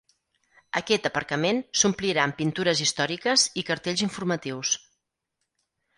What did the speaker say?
Aquest aparcament s'omplirà amb pintures històriques i cartells informatius.